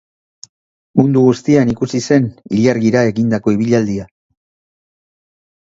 Mundu guztian ikusi zen ilargira egindako ibilaldia.